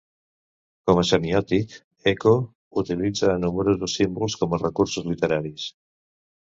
Com a semiòtic, Eco utilitza nombrosos símbols com a recursos literaris.